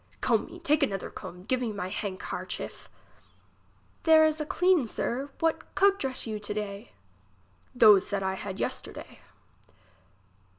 Comb me, take another comb. Give me my handkarchief. There is a clean, sir. What coat dress you to day ? Those that I had yesterday.